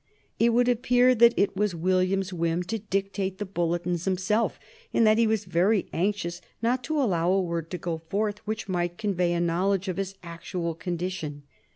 It would appear that it was William's whim to dictate the bulletins himself, and that he was very anxious not to allow a word to go forth which might convey a knowledge of his actual condition.